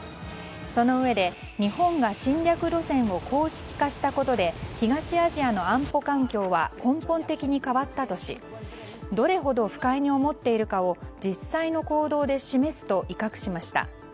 そのうえで、日本が侵略路線を公式化したことで東アジアの安保環境は根本的に変わったとしどれほど不快に思っているかを実際の行動で示すと威嚇しました。